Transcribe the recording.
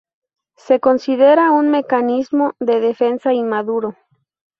Se considera un mecanismo de defensa inmaduro.